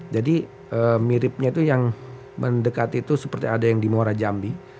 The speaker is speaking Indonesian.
jadi miripnya itu yang mendekat itu seperti ada yang di muara jambi